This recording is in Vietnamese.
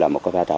em sân đi